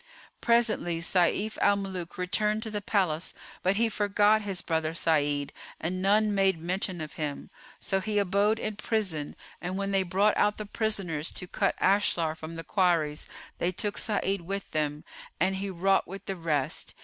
Presently Sayf al Muluk returned to the palace, but he forgot his brother Sa'id, and none made mention of him. So he abode in prison, and when they brought out the prisoners, to cut ashlar from the quarries they took Sa'id with them, and he wrought with the rest.